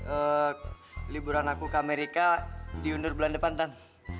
eh liburan aku ke amerika diundur bulan depan tan